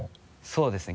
そうですね